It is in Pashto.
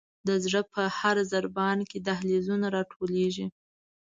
د زړه په هر ضربان کې دهلیزونه را ټولیږي.